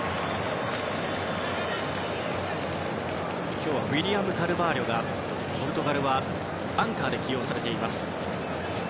今日はウィリアム・カルバーリョがポルトガルアンカーで起用されています。